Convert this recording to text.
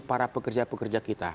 para pekerja pekerja kita